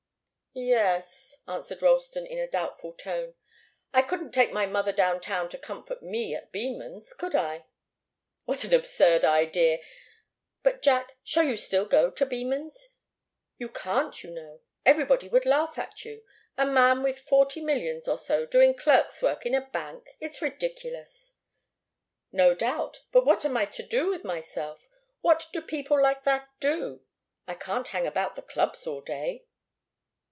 "Yes," answered Ralston, in a doubtful tone. "I couldn't take my mother down town to comfort me at Beman's, could I?" "What an absurd idea! But, Jack, shall you still go to Beman's? You can't, you know. Everybody would laugh at you. A man with forty millions or so, doing clerk's work in a bank! It's ridiculous!" "No doubt! But what am I to do with myself? What do people like that do? I can't hang about the clubs all day."